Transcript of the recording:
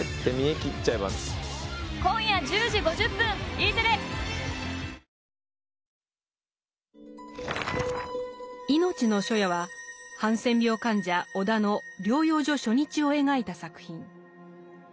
「いのちの初夜」はハンセン病患者尾田の療養所初日を描いた作品。